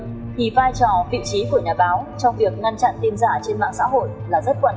thì vai trò vị trí của nhà báo trong việc ngăn chặn tin giả trên mạng xã hội là rất quan trọng